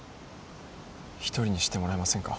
一人にしてもらえませんか？